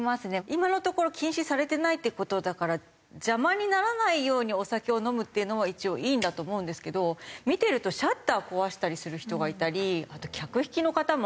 今のところ禁止されてないって事だから邪魔にならないようにお酒を飲むっていうのは一応いいんだと思うんですけど見てるとシャッター壊したりする人がいたりあと客引きの方も。